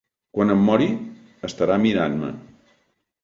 Quan em mori, estarà mirant-me.